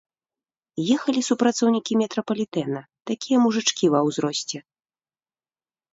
Ехалі супрацоўнікі метрапалітэна, такія мужычкі ва ўзросце.